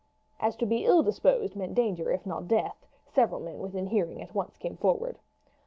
As to be ill disposed meant danger if not death, several men within hearing at once came forward.